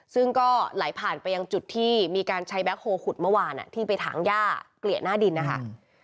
ซึ่งก็ไหลผ่านไปยังจุดที่มีการใช้แบ็คโฮลขุดเมื่อวานที่ไปถางย่าเกลี่ยหน้าดินนะคะ